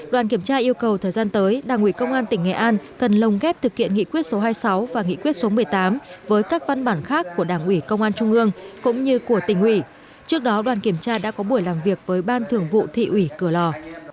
đoàn kiểm tra yêu cầu thời gian tới đảng ủy công an tỉnh nghệ an cần lồng ghép thực hiện nghị quyết số hai mươi sáu và nghị quyết số một mươi tám với các văn bản khác của đảng ủy công an trung ương cũng như của tỉnh ủy trước đó đoàn kiểm tra đã có buổi làm việc với ban thường vụ thị ủy cửa lò